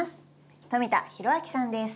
富田裕明さんです。